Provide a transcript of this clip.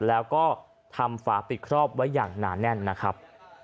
แล้วก็ทำฝาปิดครอบไว้อย่างหนาแน่นนะครับ